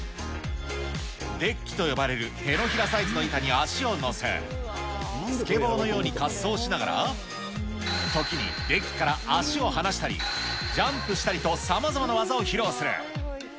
デッキと呼ばれる手のひらサイズの板に足を乗せ、スケボーのように滑走しながら、時にデッキから足を離したり、ジャンプしたりと、さまざまな技を披露する。